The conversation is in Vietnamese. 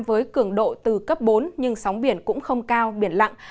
với cường độ từ cấp bốn nhưng sóng biển cũng không cao biển lặng